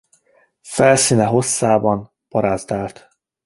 Felszíne hosszában barázdált.